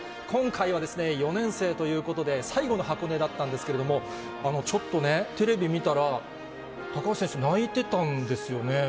今回は４年生ということで、最後の箱根だったんですけれども、ちょっとね、テレビ見たら、高橋選手、泣いてたんですよね。